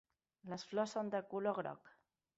Les flors són de color groc.